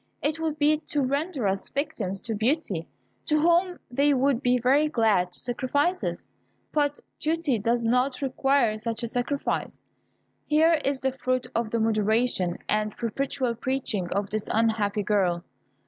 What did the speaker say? It would be to render us victims to Beauty, to whom they would be very glad to sacrifice us; but duty does not require such a sacrifice. Here is the fruit of the moderation and perpetual preaching of this unhappy girl!